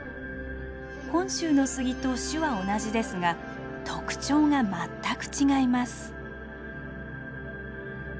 本州の杉と種は同じですが特徴が全く違います。